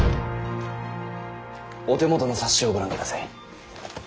お手元の冊子をご覧ください。